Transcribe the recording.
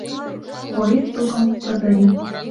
Порис тукым — чотыри;